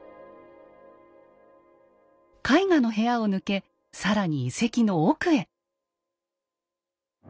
絵画の部屋を抜け更に遺跡の奥へ。